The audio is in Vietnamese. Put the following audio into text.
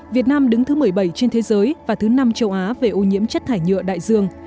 việt nam đứng thứ một mươi bảy trên thế giới và thứ năm châu á về ô nhiễm chất thải nhựa đại dương